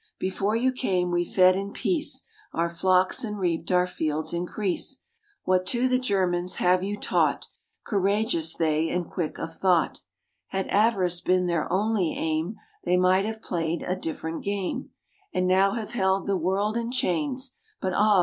Before you came we fed in peace Our flocks and reaped our fields' increase. What to the Germans have you taught? Courageous they and quick of thought, Had avarice been their only aim, They might have played a different game, And now have held the world in chains; But, ah!